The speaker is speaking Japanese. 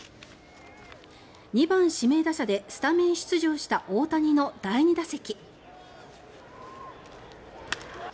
２番指名打者でスタメン出場した大谷の第２打席。